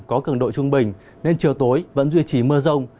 có cường độ trung bình nên chiều tối vẫn duy trì mưa rông